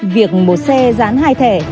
việc một xe dán hai thẻ